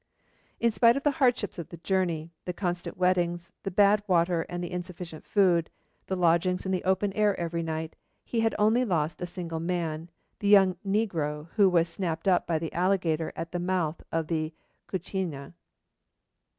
In spite of the hardships of the journey, the constant wettings, the bad water and insufficient food, the lodging in the open air every night, he had only lost a single man, the young negro who was snapped up by the alligator at the mouth of the Cucuina.